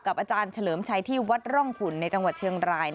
อาจารย์เฉลิมชัยที่วัดร่องขุนในจังหวัดเชียงราย